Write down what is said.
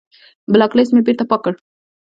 بلاک لست مې بېرته پاک کړ.